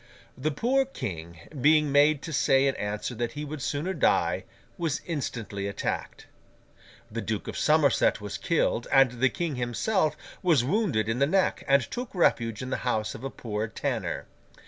The poor King, being made to say in answer that he would sooner die, was instantly attacked. The Duke of Somerset was killed, and the King himself was wounded in the neck, and took refuge in the house of a poor tanner.